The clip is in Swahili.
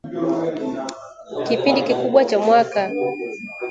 kipindi kikubwa cha mwaka